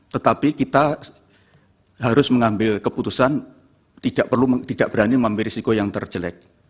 tetapi kita harus mengambil keputusan tidak berani mengambil risiko yang terjelek